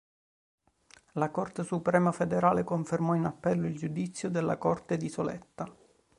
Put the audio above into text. La Corte Suprema Federale confermò in appello il giudizio della corte di Soletta.